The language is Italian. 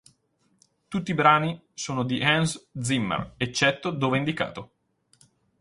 Tutti i brani sono di Hans Zimmer eccetto dove indicato.